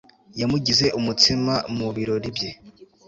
yamugize umutsima mu birori bye